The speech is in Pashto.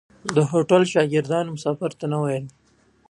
د هوټلو شاګردانو مسافرو ته نه ویل.